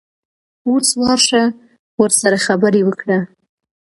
اوس ورشه ورسره خبرې وکړه.